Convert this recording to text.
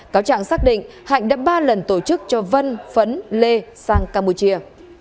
cáo trạng xác định hạnh đã ba lần tổ chức cho vân phấn lê sang campuchia